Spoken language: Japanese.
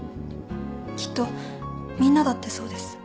きっとみんなだってそうです